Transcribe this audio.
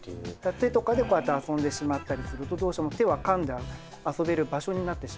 手とかでこうやって遊んでしまったりするとどうしても手はかんで遊べる場所になってしまうので。